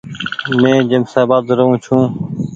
مين جيمشآبآد رهون ڇون۔